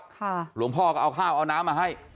หลวงพ่อก็เอาข้าวเอาน้ำมาให้